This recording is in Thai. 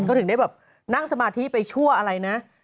เขาถึงได้แบบนั่งสมาธิไปชั่วอะไรนะ